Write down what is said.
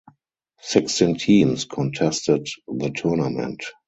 Sixteen teams contested the tournament.